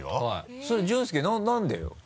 それ淳介なんでよ？